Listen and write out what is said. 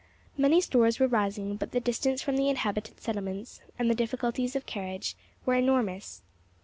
Many stores were rising, but the distance from the inhabited settlements, and the difficulties of carriage, were enormous.